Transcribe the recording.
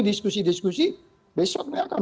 diskusi diskusi besok nggak akan